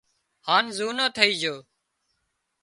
هانَ زُونو ٿئي جھو